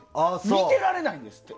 見てられないんですって。